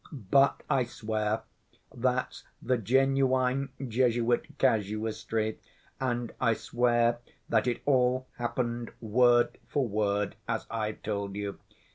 But I swear that's the genuine Jesuit casuistry and I swear that it all happened word for word as I've told you.